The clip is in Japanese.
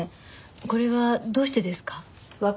これはどうしてですか？